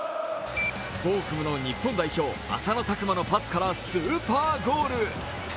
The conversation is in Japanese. ボーフムの日本代表・浅野拓磨のパスからスーパーゴール。